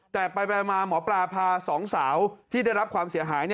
แต่ไปมาหมอปลาพาสองสาวที่ได้รับความเสียหาย